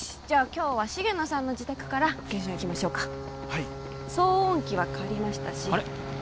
今日は重野さんの自宅から検証いきましょうかはい騒音器は借りましたしあれ？